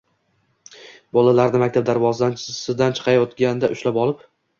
bolalarni maktab darvozasidan chiqayotganda «ushlab olib»